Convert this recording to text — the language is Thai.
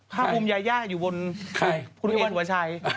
ภาพภูมิยาย่าอยู่บนคุณเอสุปชัย